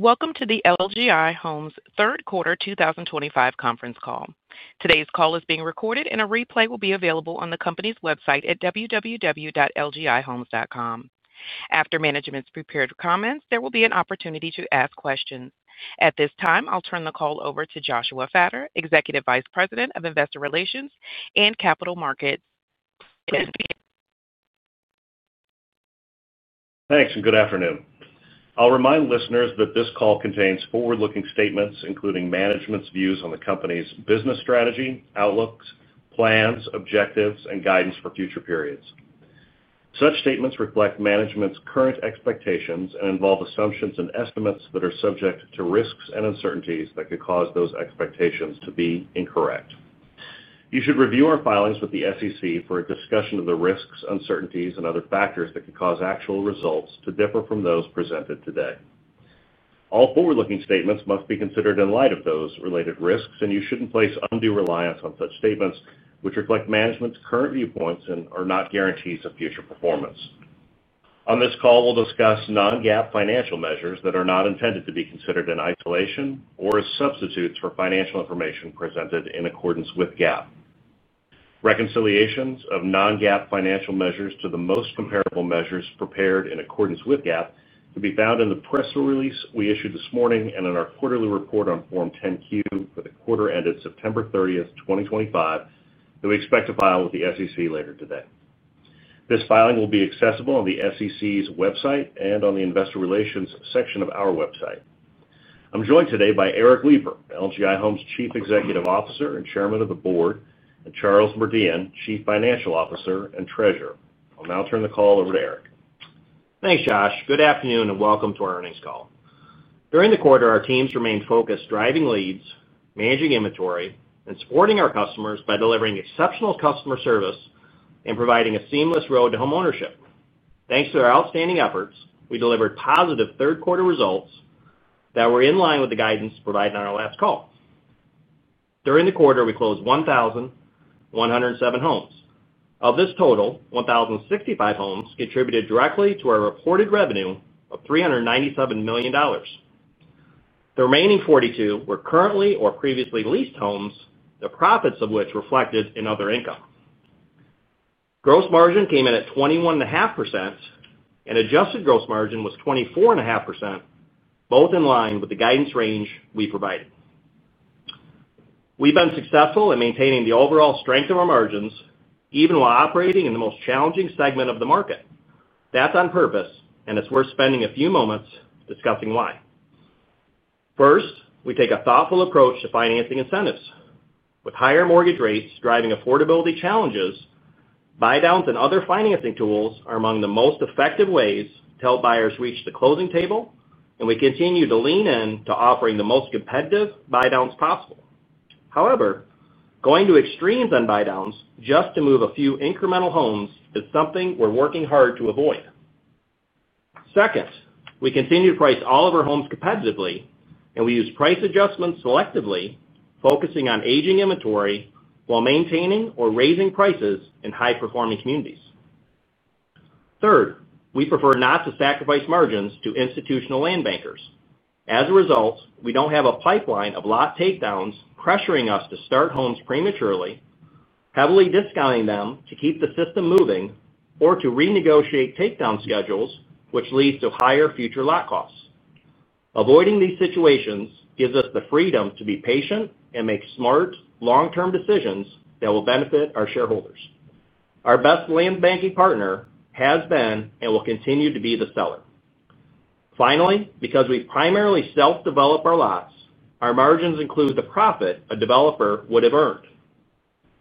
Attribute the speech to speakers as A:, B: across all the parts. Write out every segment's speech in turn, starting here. A: Welcome to the LGI Homes third quarter 2025 conference call. Today's call is being recorded, and a replay will be available on the company's website at www.lgihomes.com. After management's prepared comments, there will be an opportunity to ask questions. At this time, I'll turn the call over to Joshua Fattor, Executive Vice President of Investor Relations and Capital Markets.
B: Thanks, and good afternoon. I'll remind listeners that this call contains forward-looking statements, including management's views on the company's business strategy, outlooks, plans, objectives, and guidance for future periods. Such statements reflect management's current expectations and involve assumptions and estimates that are subject to risks and uncertainties that could cause those expectations to be incorrect. You should review our filings with the SEC for a discussion of the risks, uncertainties, and other factors that could cause actual results to differ from those presented today. All forward-looking statements must be considered in light of those related risks, and you shouldn't place undue reliance on such statements, which reflect management's current viewpoints and are not guarantees of future performance. On this call, we'll discuss non-GAAP financial measures that are not intended to be considered in isolation or as substitutes for financial information presented in accordance with GAAP. Reconciliations of non-GAAP financial measures to the most comparable measures prepared in accordance with GAAP can be found in the press release we issued this morning and in our quarterly report on Form 10-Q for the quarter ended September 30th, 2025, that we expect to file with the SEC later today. This filing will be accessible on the SEC's website and on the Investor Relations section of our website. I'm joined today by Eric Lipar, LGI Homes Chief Executive Officer and Chairman of the Board, and Charles Merdian, Chief Financial Officer and Treasurer. I'll now turn the call over to Eric.
C: Thanks, Josh. Good afternoon, and welcome to our earnings call. During the quarter, our teams remained focused driving leads, managing inventory, and supporting our customers by delivering exceptional customer service and providing a seamless road to homeownership. Thanks to our outstanding efforts, we delivered positive third-quarter results that were in line with the guidance provided on our last call. During the quarter, we closed 1,107 homes. Of this total, 1,065 homes contributed directly to our reported revenue of $397 million. The remaining 42 were currently or previously leased homes, the profits of which reflected in other income. Gross margin came in at 21.5%, and adjusted gross margin was 24.5%, both in line with the guidance range we provided. We've been successful in maintaining the overall strength of our margins even while operating in the most challenging segment of the market. That's on purpose, and it's worth spending a few moments discussing why. First, we take a thoughtful approach to financing incentives. With higher mortgage rates driving affordability challenges, buydowns and other financing tools are among the most effective ways to help buyers reach the closing table, and we continue to lean in to offering the most competitive buydowns possible. However, going to extremes on buydowns just to move a few incremental homes is something we're working hard to avoid. Second, we continue to price all of our homes competitively, and we use price adjustments selectively, focusing on aging inventory while maintaining or raising prices in high-performing communities. Third, we prefer not to sacrifice margins to institutional land bankers. As a result, we don't have a pipeline of lot takedowns pressuring us to start homes prematurely, heavily discounting them to keep the system moving, or to renegotiate takedown schedules, which leads to higher future lot costs. Avoiding these situations gives us the freedom to be patient and make smart, long-term decisions that will benefit our shareholders. Our best land banking partner has been and will continue to be the seller. Finally, because we primarily self-develop our lots, our margins include the profit a developer would have earned.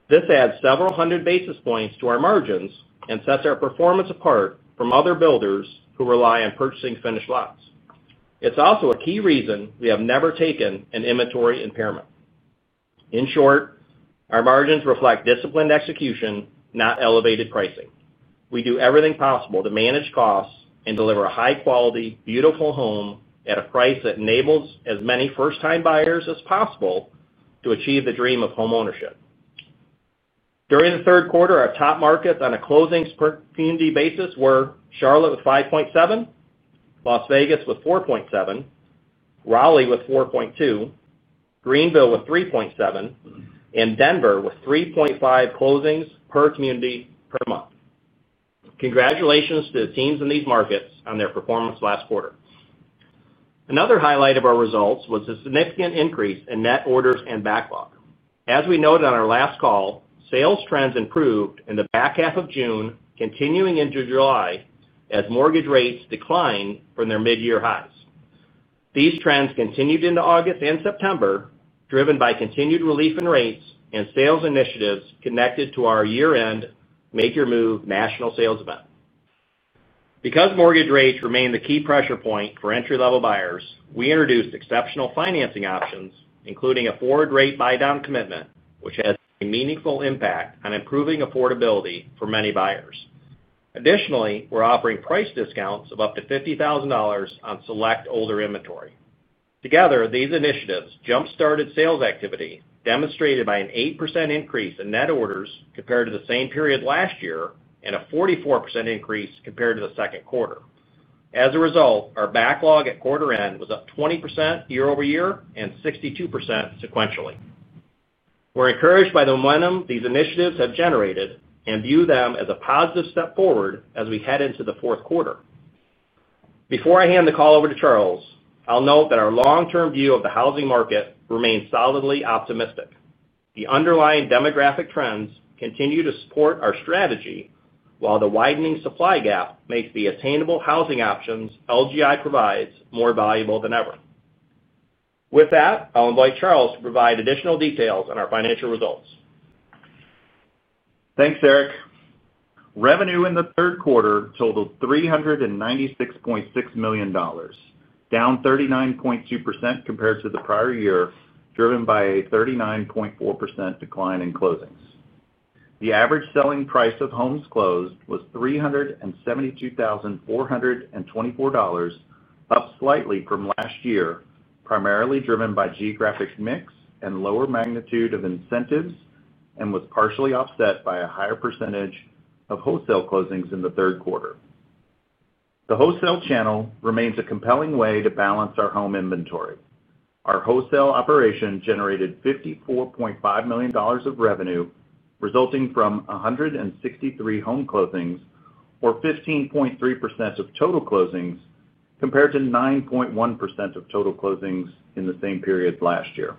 C: This adds several hundred basis points to our margins and sets our performance apart from other builders who rely on purchasing finished lots. It's also a key reason we have never taken an inventory impairment. In short, our margins reflect disciplined execution, not elevated pricing. We do everything possible to manage costs and deliver a high-quality, beautiful home at a price that enables as many first-time buyers as possible to achieve the dream of homeownership. During the third quarter, our top markets on a closings per community basis were Charlotte with 5.7, Las Vegas with 4.7, Raleigh with 4.2, Greenville with 3.7, and Denver with 3.5 closings per community per month. Congratulations to the teams in these markets on their performance last quarter. Another highlight of our results was a significant increase in net orders and backlog. As we noted on our last call, sales trends improved in the back half of June, continuing into July as mortgage rates declined from their mid-year highs. These trends continued into August and September, driven by continued relief in rates and sales initiatives connected to our year-end Make Your Move National Sales Event. Because mortgage rates remain the key pressure point for entry-level buyers, we introduced exceptional financing options, including a forward-rate buydown commitment, which has a meaningful impact on improving affordability for many buyers. Additionally, we're offering price discounts of up to $50,000 on select older inventory. Together, these initiatives jump-started sales activity, demonstrated by an 8% increase in net orders compared to the same period last year and a 44% increase compared to the second quarter. As a result, our backlog at quarter-end was up 20% year-over-year and 62% sequentially. We're encouraged by the momentum these initiatives have generated and view them as a positive step forward as we head into the fourth quarter. Before I hand the call over to Charles, I'll note that our long-term view of the housing market remains solidly optimistic. The underlying demographic trends continue to support our strategy, while the widening supply gap makes the attainable housing options LGI provides more valuable than ever. With that, I'll invite Charles to provide additional details on our financial results.
D: Thanks, Eric. Revenue in the third quarter totaled $396.6 million, down 39.2% compared to the prior year, driven by a 39.4% decline in closings. The average selling price of homes closed was $372,424, up slightly from last year, primarily driven by geographic mix and lower magnitude of incentives, and was partially offset by a higher percentage of wholesale closings in the third quarter. The wholesale channel remains a compelling way to balance our home inventory. Our wholesale operation generated $54.5 million of revenue, resulting from 163 home closings, or 15.3% of total closings, compared to 9.1% of total closings in the same period last year.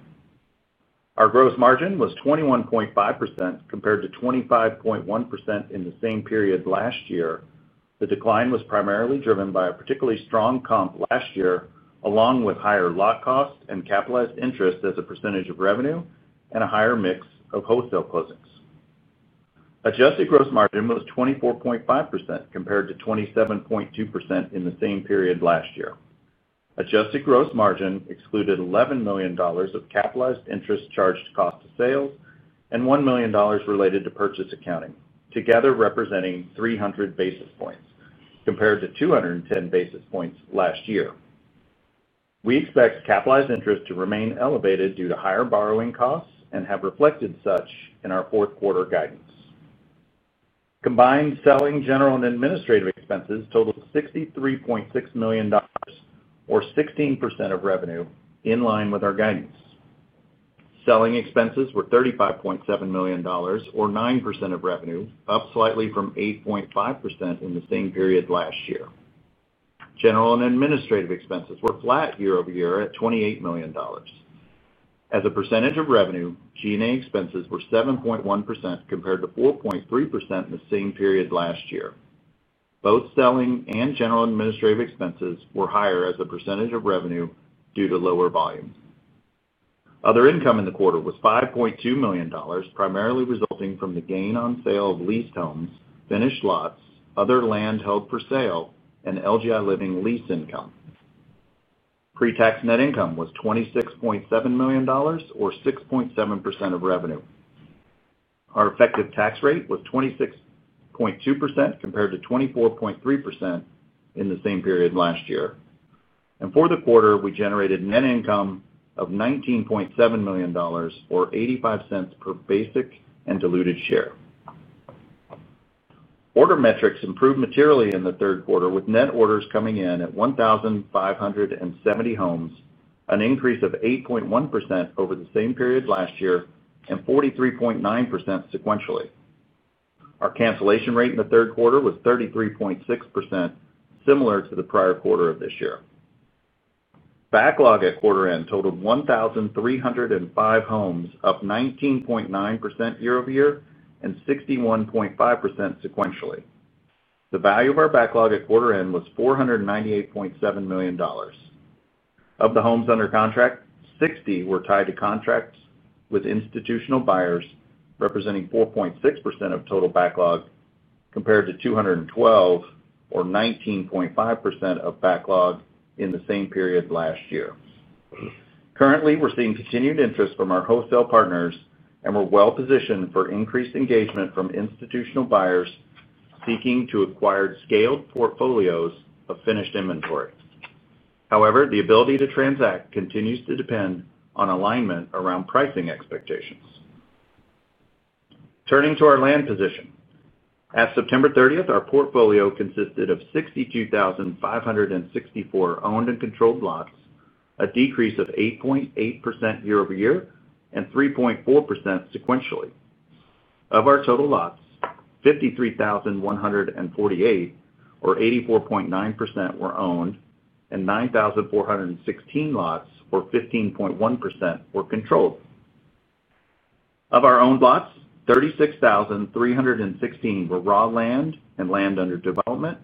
D: Our gross margin was 21.5% compared to 25.1% in the same period last year. The decline was primarily driven by a particularly strong comp last year, along with higher lot cost and capitalized interest as a percentage of revenue and a higher mix of wholesale closings. Adjusted gross margin was 24.5% compared to 27.2% in the same period last year. Adjusted gross margin excluded $11 million of capitalized interest charged cost of sales and $1 million related to purchase accounting, together representing 300 basis points compared to 210 basis points last year. We expect capitalized interest to remain elevated due to higher borrowing costs and have reflected such in our fourth-quarter guidance. Combined selling general and administrative expenses totaled $63.6 million, or 16% of revenue, in line with our guidance. Selling expenses were $35.7 million, or 9% of revenue, up slightly from 8.5% in the same period last year. General and administrative expenses were flat year-over-year at $28 million. As a percentage of revenue, G&A expenses were 7.1% compared to 4.3% in the same period last year. Both selling and general and administrative expenses were higher as a percentage of revenue due to lower volume. Other income in the quarter was $5.2 million, primarily resulting from the gain on sale of leased homes, finished lots, other land held for sale, and LGI Living lease income. Pre-tax net income was $26.7 million, or 6.7% of revenue. Our effective tax rate was 26.2% compared to 24.3% in the same period last year. And for the quarter, we generated net income of $19.7 million, or $0.85 per basic and diluted share. Order metrics improved materially in the third quarter, with net orders coming in at 1,570 homes, an increase of 8.1% over the same period last year and 43.9% sequentially. Our cancellation rate in the third quarter was 33.6%, similar to the prior quarter of this year. Backlog at quarter-end totaled 1,305 homes, up 19.9% year-over-year and 61.5% sequentially. The value of our backlog at quarter-end was $498.7 million. Of the homes under contract, 60 were tied to contracts with institutional buyers, representing 4.6% of total backlog compared to 212, or 19.5% of backlog in the same period last year. Currently, we're seeing continued interest from our wholesale partners and we're well-positioned for increased engagement from institutional buyers seeking to acquire scaled portfolios of finished inventory. However, the ability to transact continues to depend on alignment around pricing expectations. Turning to our land position. As of September 30th, our portfolio consisted of 62,564 owned and controlled lots, a decrease of 8.8% year-over-year and 3.4% sequentially. Of our total lots, 53,148, or 84.9%, were owned and 9,416 lots, or 15.1%, were controlled. Of our owned lots, 36,316 were raw land and land under development,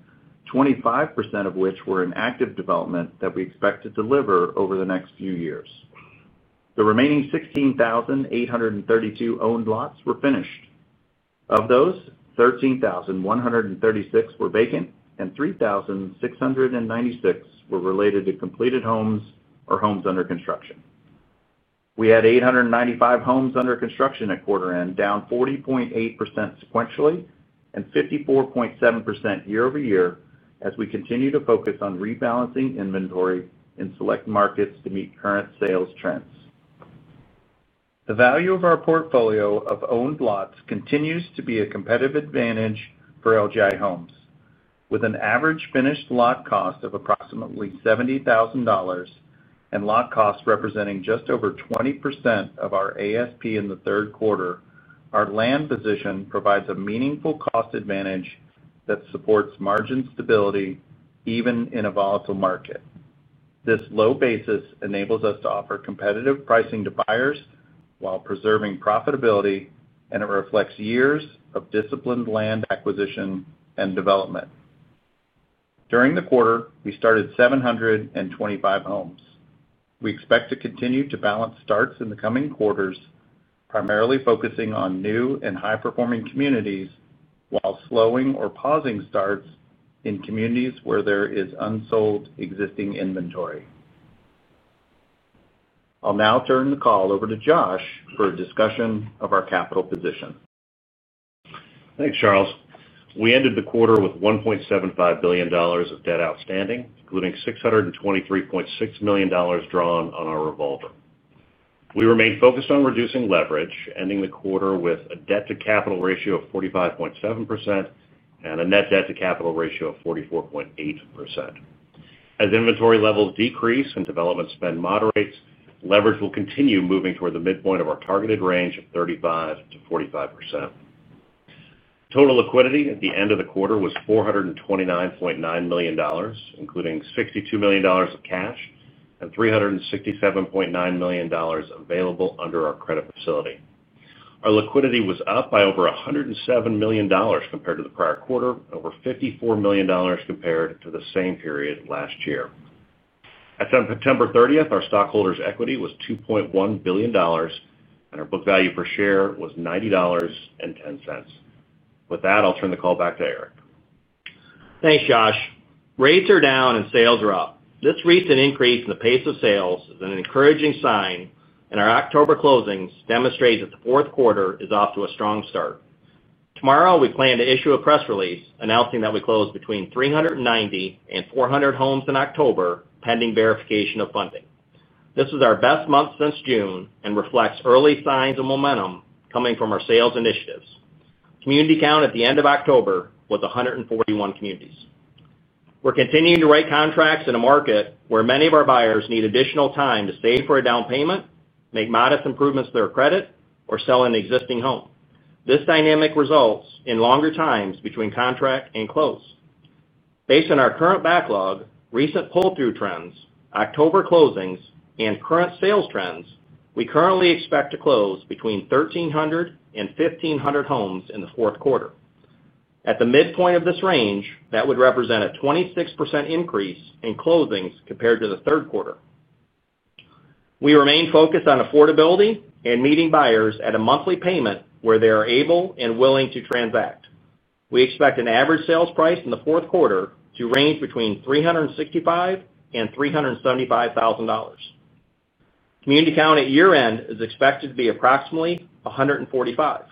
D: 25% of which were in active development that we expect to deliver over the next few years. The remaining 16,832 owned lots were finished. Of those, 13,136 were vacant and 3,696 were related to completed homes or homes under construction. We had 895 homes under construction at quarter-end, down 40.8% sequentially and 54.7% year-over-year as we continue to focus on rebalancing inventory in select markets to meet current sales trends. The value of our portfolio of owned lots continues to be a competitive advantage for LGI Homes. With an average finished lot cost of approximately $70,000, and lot cost representing just over 20% of our ASP in the third quarter, our land position provides a meaningful cost advantage that supports margin stability even in a volatile market. This low basis enables us to offer competitive pricing to buyers while preserving profitability, and it reflects years of disciplined land acquisition and development. During the quarter, we started 725 homes. We expect to continue to balance starts in the coming quarters, primarily focusing on new and high-performing communities while slowing or pausing starts in communities where there is unsold existing inventory. I'll now turn the call over to Josh for a discussion of our capital position.
B: Thanks, Charles. We ended the quarter with $1.75 billion of debt outstanding, including $623.6 million drawn on our revolver. We remained focused on reducing leverage, ending the quarter with a debt-to-capital ratio of 45.7% and a net debt-to-capital ratio of 44.8%. As inventory levels decrease and development spend moderates, leverage will continue moving toward the midpoint of our targeted range of 35%-45%. Total liquidity at the end of the quarter was $429.9 million, including $62 million of cash and $367.9 million available under our credit facility. Our liquidity was up by over $107 million compared to the prior quarter, over $54 million compared to the same period last year. As of September 30th, our stockholders' equity was $2.1 billion, and our book value per share was $90.10. With that, I'll turn the call back to Eric.
C: Thanks, Josh. Rates are down and sales are up. This recent increase in the pace of sales is an encouraging sign, and our October closings demonstrate that the fourth quarter is off to a strong start. Tomorrow, we plan to issue a press release announcing that we closed between 390-400 homes in October, pending verification of funding. This was our best month since June and reflects early signs of momentum coming from our sales initiatives. Community count at the end of October was 141 communities. We're continuing to write contracts in a market where many of our buyers need additional time to save for a down payment, make modest improvements to their credit, or sell an existing home. This dynamic results in longer times between contract and close. Based on our current backlog, recent pull-through trends, October closings, and current sales trends, we currently expect to close between 1,300-1,500 homes in the fourth quarter. At the midpoint of this range, that would represent a 26% increase in closings compared to the third quarter. We remain focused on affordability and meeting buyers at a monthly payment where they are able and willing to transact. We expect an average sales price in the fourth quarter to range between $365,000-$375,000. Community count at year-end is expected to be approximately 145.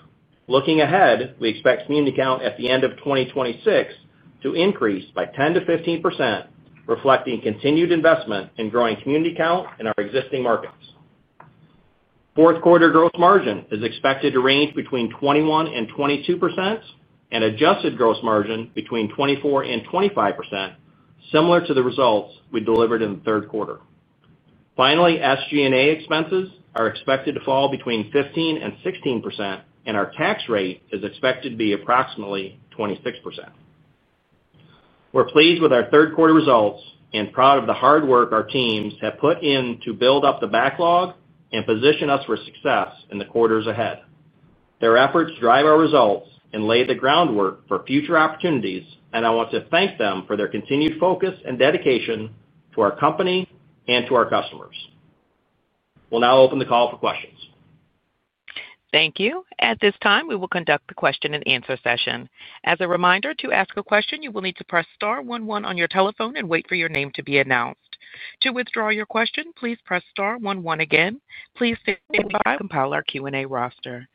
C: Looking ahead, we expect community count at the end of 2026 to increase by 10%-15%, reflecting continued investment in growing community count in our existing markets. Fourth-quarter gross margin is expected to range between 21-22%, and adjusted gross margin between 24-25%, similar to the results we delivered in the third quarter. Finally, SG&A expenses are expected to fall between 15-16%, and our tax rate is expected to be approximately 26%. We're pleased with our third-quarter results and proud of the hard work our teams have put in to build up the backlog and position us for success in the quarters ahead. Their efforts drive our results and lay the groundwork for future opportunities, and I want to thank them for their continued focus and dedication to our company and to our customers. We'll now open the call for questions.
A: Thank you. At this time, we will conduct the question-and-answer session. As a reminder, to ask a question, you will need to press star one one on your telephone and wait for your name to be announced. To withdraw your question, please press star one one again. Please stand by while I compile our Q&A roster.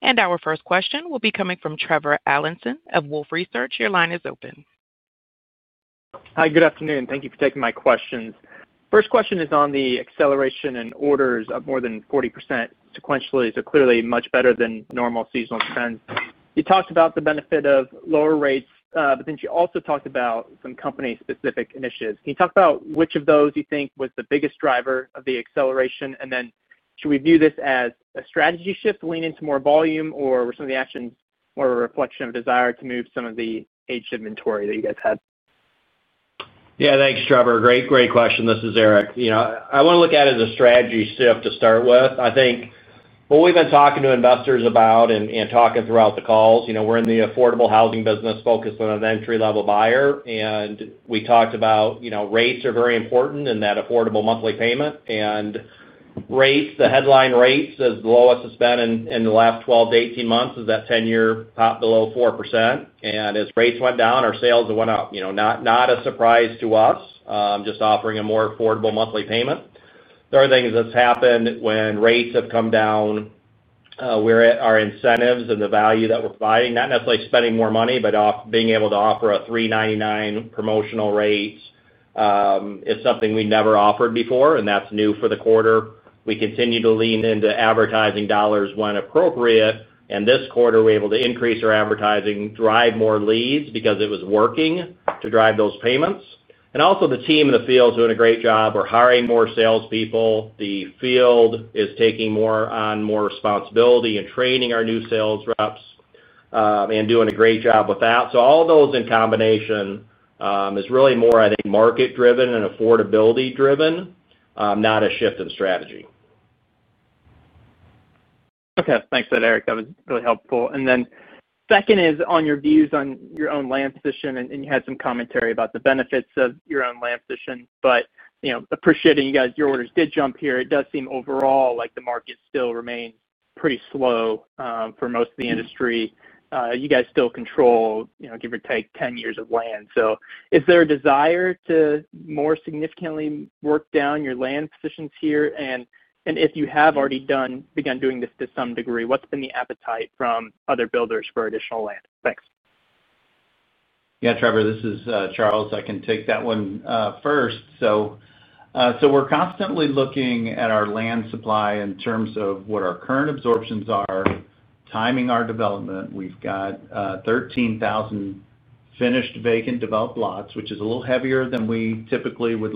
A: And our first question will be coming from Trevor Allinson of Wolfe Research. Your line is open.
E: Hi, good afternoon. Thank you for taking my questions. First question is on the acceleration in orders of more than 40% sequentially, so clearly much better than normal seasonal trends. You talked about the benefit of lower rates, but then you also talked about some company-specific initiatives. Can you talk about which of those you think was the biggest driver of the acceleration, and then should we view this as a strategy shift to lean into more volume, or were some of the actions more a reflection of desire to move some of the aged inventory that you guys had?
C: Yeah, thanks, Trevor. Great, great question. This is Eric. I want to look at it as a strategy shift to start with. I think what we've been talking to investors about and talking throughout the calls, we're in the affordable housing business focused on an entry-level buyer, and we talked about rates are very important in that affordable monthly payment. And rates, the headline rates, is the lowest it's been in the last 12 to 18 months, is that 10-year Treasury below 4%. And as rates went down, our sales went up. Not a surprise to us, just offering a more affordable monthly payment. There are things that's happened when rates have come down. Where our incentives and the value that we're providing, not necessarily spending more money, but being able to offer a 3.99% promotional rate. Is something we never offered before, and that's new for the quarter. We continue to lean into advertising dollars when appropriate, and this quarter, we're able to increase our advertising, drive more leads because it was working to drive those payments. And also, the team in the field's doing a great job. We're hiring more salespeople. The field is taking on more responsibility and training our new sales reps. And doing a great job with that. So all those in combination is really more, I think, market-driven and affordability-driven, not a shift in strategy.
E: Okay. Thanks for that, Eric. That was really helpful. And then second is on your views on your own land position, and you had some commentary about the benefits of your own land position, but appreciating you guys, your orders did jump here. It does seem overall like the market still remains pretty slow for most of the industry. You guys still control, give or take, 10 years of land. So is there a desire to more significantly work down your land positions here? And if you have already begun doing this to some degree, what's been the appetite from other builders for additional land? Thanks.
D: Yeah, Trevor, this is Charles. I can take that one first. So, we're constantly looking at our land supply in terms of what our current absorptions are, timing our development. We've got 13,000 finished vacant developed lots, which is a little heavier than we typically would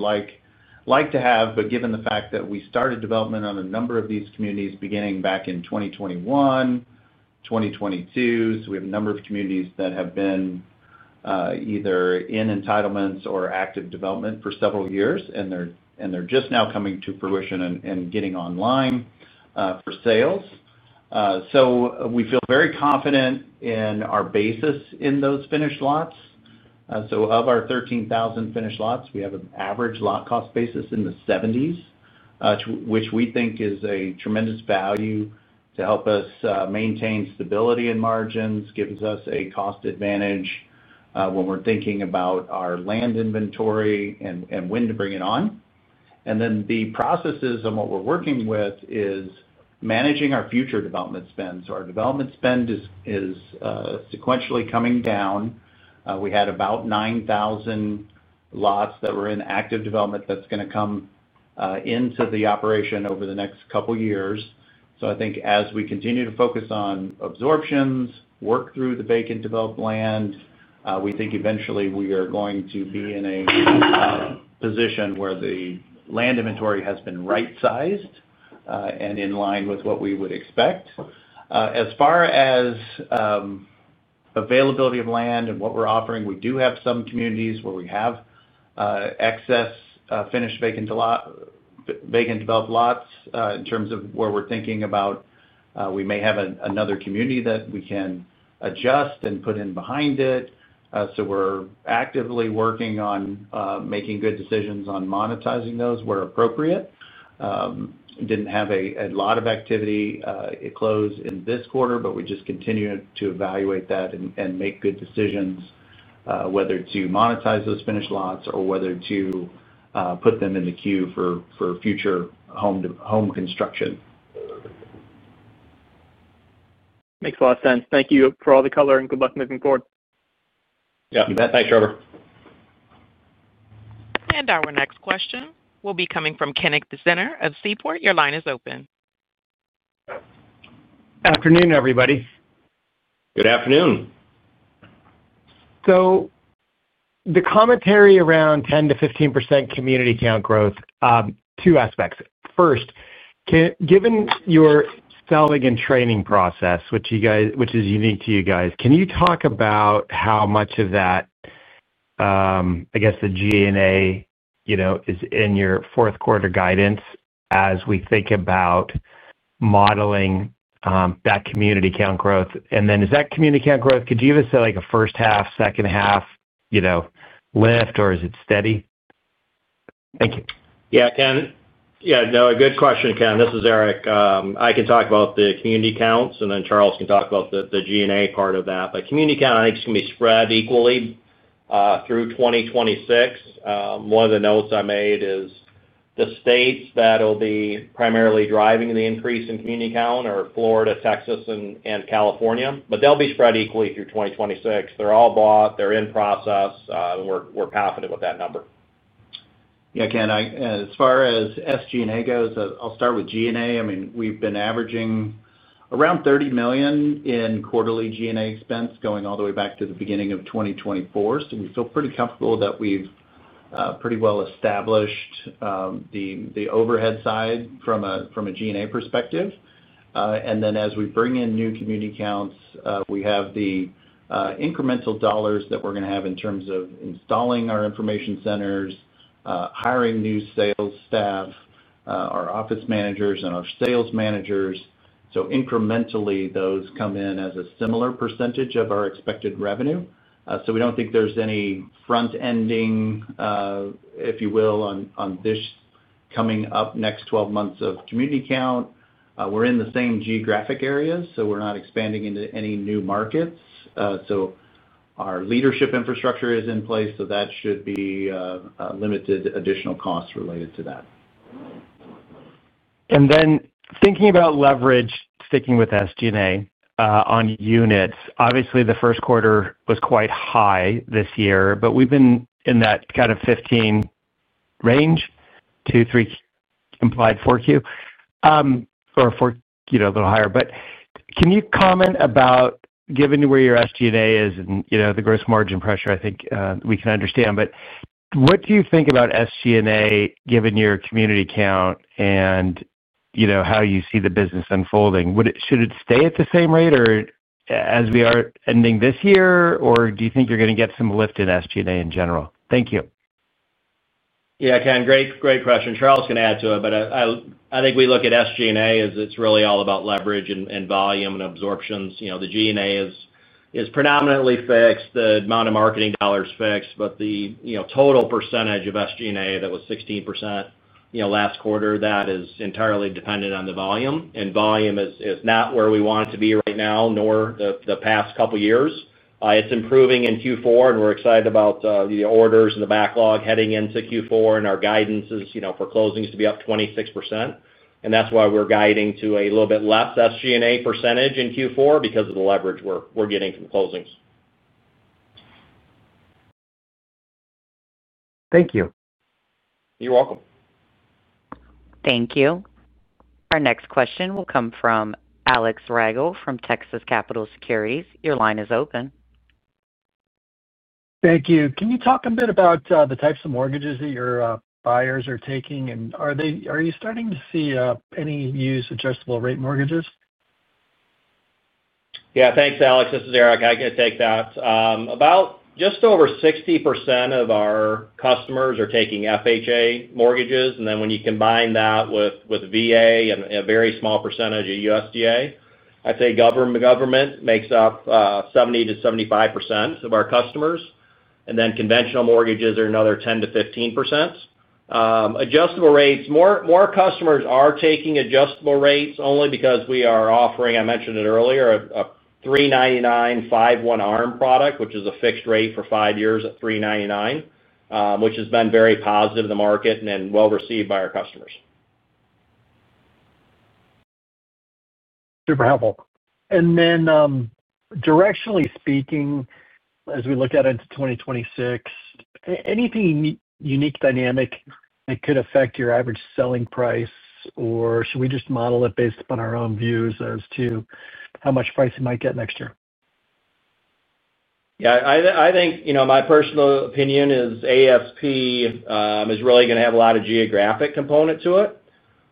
D: like to have, but given the fact that we started development on a number of these communities beginning back in 2021, 2022, so we have a number of communities that have been either in entitlements or active development for several years, and they're just now coming to fruition and getting online for sales. So we feel very confident in our basis in those finished lots. So of our 13,000 finished lots, we have an average lot cost basis in the 70s, which we think is a tremendous value to help us maintain stability in margins, gives us a cost advantage when we're thinking about our land inventory and when to bring it on. And then the processes and what we're working with is managing our future development spend. So our development spend is sequentially coming down. We had about 9,000 lots that were in active development that's going to come into the operation over the next couple of years. So I think as we continue to focus on absorptions, work through the vacant developed land, we think eventually we are going to be in a position where the land inventory has been right-sized and in line with what we would expect. As far as availability of land and what we're offering, we do have some communities where we have excess finished vacant developed lots in terms of where we're thinking about. We may have another community that we can adjust and put in behind it. So we're actively working on making good decisions on monetizing those where appropriate. Didn't have a lot of activity. It closed in this quarter, but we just continue to evaluate that and make good decisions whether to monetize those finished lots or whether to put them in the queue for future home construction.
E: Makes a lot of sense. Thank you for all the color and good luck moving forward.
D: Yeah. Thanks, Trevor.
A: Our next question will be coming from Kenneth Zener of Seaport. Your line is open.
F: Good afternoon, everybody.
C: Good afternoon.
F: So. The commentary around 10%-15% community count growth, two aspects. First. Given your selling and training process, which is unique to you guys, can you talk about how much of that, I guess, the G&A, is in your fourth-quarter guidance as we think about modeling that community count growth? And then, is that community count growth, could you give us a first half, second half lift, or is it steady? Thank you.
C: Yeah. Yeah. No, a good question, Ken. This is Eric. I can talk about the community counts, and then Charles can talk about the G&A part of that. But community count, I think, is going to be spread equally through 2026. One of the notes I made is. The states that will be primarily driving the increase in community count are Florida, Texas, and California. But they'll be spread equally through 2026. They're all bought. They're in process. And we're confident with that number.
D: Yeah, Ken. As far as SG&A goes, I'll start with G&A. I mean, we've been averaging around $30 million in quarterly G&A expense going all the way back to the beginning of 2024. So we feel pretty comfortable that we've pretty well established the overhead side from a G&A perspective. And then as we bring in new community counts, we have the incremental dollars that we're going to have in terms of installing our information centers, hiring new sales staff, our office managers, and our sales managers. So incrementally, those come in as a similar percentage of our expected revenue. So we don't think there's any front-ending, if you will, on this coming up next 12 months of community count. We're in the same geographic area, so we're not expanding into any new markets. So our leadership infrastructure is in place, so that should be limited additional costs related to that.
F: And then thinking about leverage, sticking with SG&A on units, obviously the first quarter was quite high this year, but we've been in that kind of 15% range, 22, 23% implied Q4 or Q4 a little higher. But can you comment about, given where your SG&A is and the gross margin pressure, I think we can understand, but what do you think about SG&A given your community count and how you see the business unfolding? Should it stay at the same rate as we are ending this year, or do you think you're going to get some lift in SG&A in general? Thank you.
C: Yeah, Ken, great question. Charles can add to it, but I think we look at SG&A as it's really all about leverage and volume and absorptions. The G&A is predominantly fixed. The amount of marketing dollars fixed, but the total percentage of SG&A that was 16%. Last quarter, that is entirely dependent on the volume, and volume is not where we want it to be right now, nor the past couple of years. It's improving in Q4, and we're excited about the orders and the backlog heading into Q4, and our guidance is for closings to be up 26%, and that's why we're guiding to a little bit less SG&A percentage in Q4 because of the leverage we're getting from closings.
F: Thank you.
C: You're welcome.
A: Thank you. Our next question will come from Alex Rygiel from Texas Capital Securities. Your line is open.
G: Thank you. Can you talk a bit about the types of mortgages that your buyers are taking, and are you starting to see any use of adjustable rate mortgages?
C: Yeah, thanks, Alex. This is Eric. I can take that. About just over 60% of our customers are taking FHA mortgages, and then when you combine that with VA and a very small percentage of USDA, I'd say government makes up 70%-75% of our customers. And then conventional mortgages are another 10%-15%. Adjustable rates, more customers are taking adjustable rates only because we are offering, I mentioned it earlier, a 3.99% 5/1 ARM product, which is a fixed rate for five years at 3.99%, which has been very positive in the market and well received by our customers.
G: Super helpful. And then, directionally speaking, as we look at it into 2026, anything unique dynamic that could affect your average selling price, or should we just model it based upon our own views as to how much price it might get next year?
C: Yeah, I think my personal opinion is ASP is really going to have a lot of geographic component to it,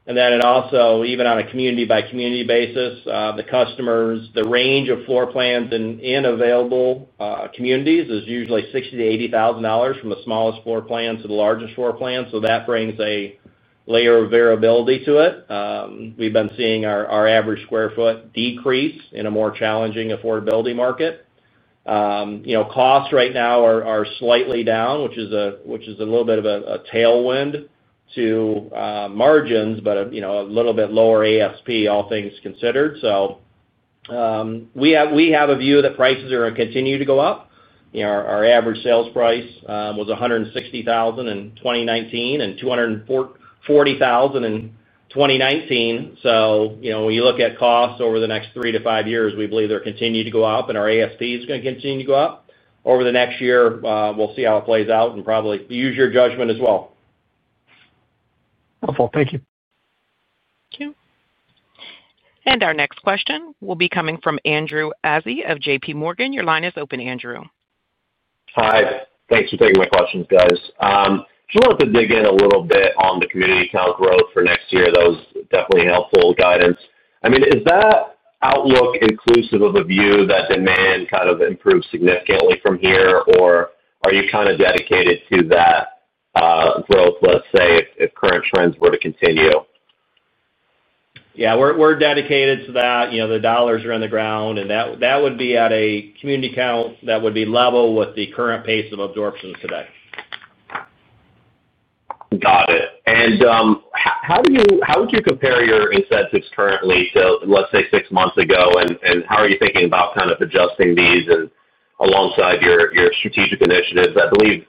C: and then it also, even on a community-by-community basis, the customers, the range of floor plans in available communities is usually $60,000-$80,000 from the smallest floor plan to the largest floor plan. So that brings a layer of variability to it. We've been seeing our average square foot decrease in a more challenging affordability market. Costs right now are slightly down, which is a little bit of a tailwind to margins, but a little bit lower ASP, all things considered, so we have a view that prices are going to continue to go up. Our average sales price was $160,000 in 2019 and $240,000 in 2019, so when you look at costs over the next three to five years, we believe they're continuing to go up, and our ASP is going to continue to go up. Over the next year, we'll see how it plays out and probably use your judgment as well.
G: Helpful. Thank you.
A: Thank you. And our next question will be coming from Andrew Azzi of JPMorgan. Your line is open, Andrew.
H: Hi. Thanks for taking my questions, guys. Just wanted to dig in a little bit on the community count growth for next year. That was definitely helpful guidance. I mean, is that outlook inclusive of a view that demand kind of improves significantly from here, or are you kind of dedicated to that growth, let's say, if current trends were to continue?
C: Yeah, we're dedicated to that. The dollars are on the ground, and that would be at a community count that would be level with the current pace of absorptions today.
H: Got it. And how would you compare your incentives currently to, let's say, six months ago, and how are you thinking about kind of adjusting these alongside your strategic initiatives? I believe.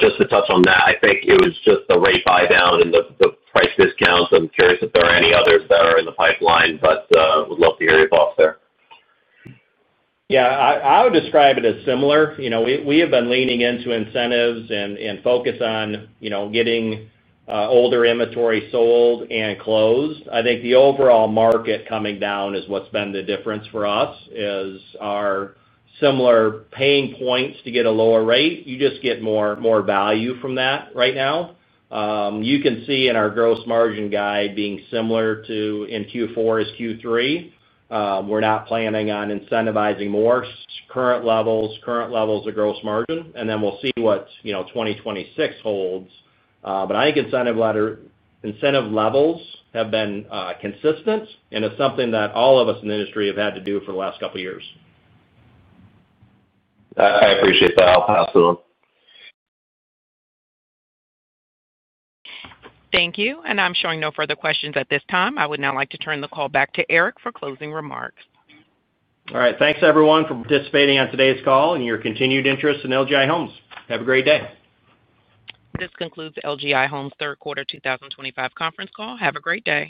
H: Just to touch on that, I think it was just the rate buy down and the price discounts. I'm curious if there are any others that are in the pipeline, but would love to hear your thoughts there.
C: Yeah, I would describe it as similar. We have been leaning into incentives and focus on getting older inventory sold and closed. I think the overall market coming down is what's been the difference for us is our similar paying points to get a lower rate. You just get more value from that right now. You can see in our gross margin guide being similar to in Q4 as Q3. We're not planning on incentivizing more current levels of gross margin, and then we'll see what 2026 holds. But I think incentives levels have been consistent, and it's something that all of us in the industry have had to do for the last couple of years.
H: I appreciate that. I'll pass it on.
A: Thank you. And I'm showing no further questions at this time. I would now like to turn the call back to Eric for closing remarks.
C: All right. Thanks, everyone, for participating on today's call and your continued interest in LGI Homes. Have a great day.
A: This concludes LGI Homes' third quarter 2025 conference call. Have a great day.